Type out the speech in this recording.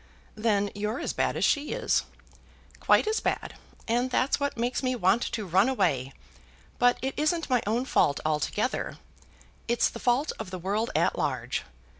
"Then you're as bad as she is." "Quite as bad; and that's what makes me want to run away. But it isn't my own fault altogether. It's the fault of the world at large.